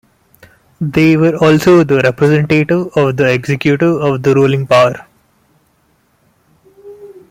They were also the representative of the executive of the ruling power.